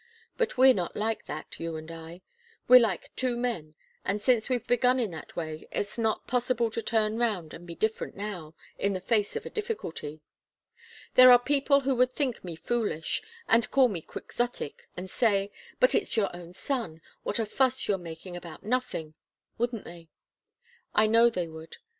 But we're not like that, you and I. We're like two men, and since we've begun in that way, it's not possible to turn round and be different now, in the face of a difficulty. There are people who would think me foolish, and call me quixotic, and say, 'But it's your own son what a fuss you're making about nothing.' Wouldn't they? I know they would.